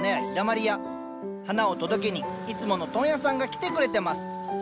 花を届けにいつもの問屋さんが来てくれてます